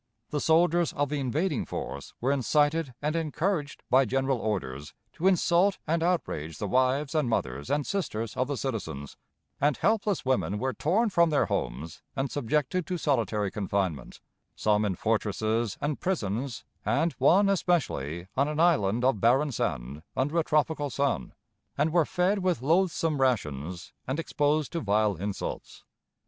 The soldiers of the invading force were incited and encouraged by general orders to insult and outrage the wives and mothers and sisters of the citizens; and helpless women were torn from their homes and subjected to solitary confinement, some in fortresses and prisons and one, especially, on an island of barren sand, under a tropical sun and were fed with loathsome rations and exposed to vile insults.